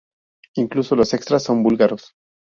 Incluso los extras son búlgaros.